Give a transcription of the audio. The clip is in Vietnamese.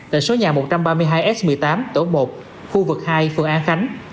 tại số nhà một trăm ba mươi hai s một mươi tám tổ một khu vực hai phường an khánh